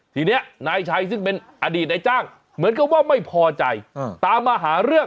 ทีนี้นายชัยซึ่งเป็นอดีตนายจ้างเหมือนกับว่าไม่พอใจตามมาหาเรื่อง